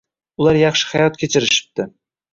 Ular yaxshi hayot kechirishibdi